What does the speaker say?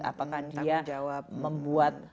apakah dia membuat